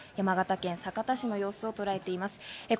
山形県酒田市の様子をとらえています。